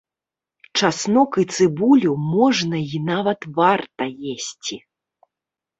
Часнок і цыбулю можна і нават варта есці.